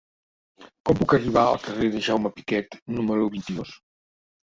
Com puc arribar al carrer de Jaume Piquet número vint-i-dos?